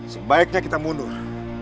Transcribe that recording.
sebaiknya kita mundur